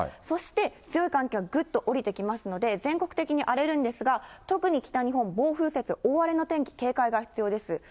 そして強い寒気がぐっと下りてきますので、全国的に荒れるんですが、特に北日本、暴風雪、大荒れの天気、警戒が必要です。